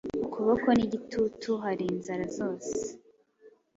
Ukuboko nigitugu hari inzara zose